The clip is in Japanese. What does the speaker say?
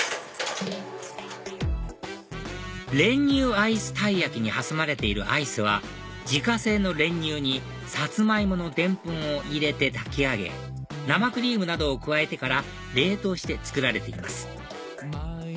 練乳アイスたいやきに挟まれているアイスは自家製の練乳にサツマイモの澱粉を入れて炊き上げ生クリームなどを加えてから冷凍して作られています